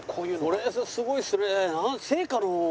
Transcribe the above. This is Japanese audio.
これすごいですね。